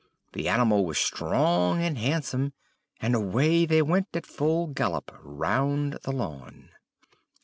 The animal was strong and handsome, and away they went at full gallop round the lawn.